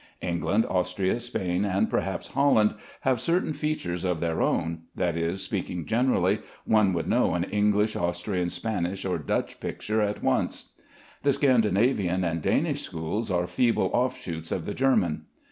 England, Austria, Spain, and perhaps Holland, have certain features of their own; that is, speaking generally, one would know an English, Austrian, Spanish, or Dutch picture at once. The Scandinavian and Danish schools are feeble offshoots of the German.